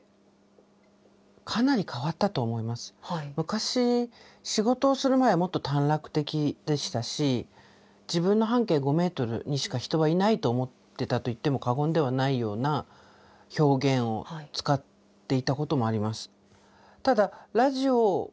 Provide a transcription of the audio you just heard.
昔仕事をする前はもっと短絡的でしたし自分の半径５メートルにしか人はいないと思ってたと言っても過言ではないような表現を使っていたこともあります。